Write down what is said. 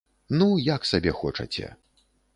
Ну, як сабе хочаце.